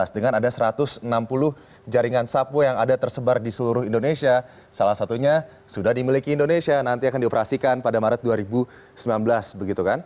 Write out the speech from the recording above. dengan ada satu ratus enam puluh jaringan sapu yang ada tersebar di seluruh indonesia salah satunya sudah dimiliki indonesia nanti akan dioperasikan pada maret dua ribu sembilan belas begitu kan